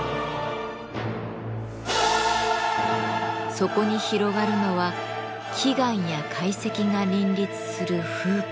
そこに広がるのは奇岩や怪石が林立する風景。